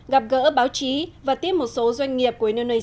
gặp gỡ báo chí và tiếp một số doanh nghiệp của indonesia